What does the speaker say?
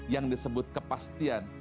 yang disebut kepastian